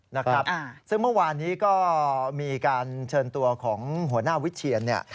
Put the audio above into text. นะครับซึ่งเมื่อวานนี้ก็มีการเชิญตัวของหัวหน้าวิเชียนเนี่ย